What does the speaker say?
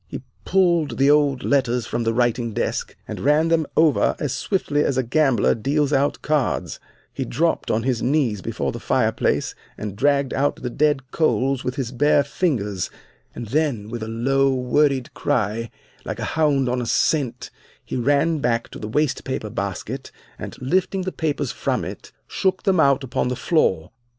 He pulled the old letters from the writing desk, and ran them over as swiftly as a gambler deals out cards; he dropped on his knees before the fireplace and dragged out the dead coals with his bare fingers, and then with a low, worried cry, like a hound on a scent, he ran back to the waste paper basket and, lifting the papers from it, shook them out upon the floor.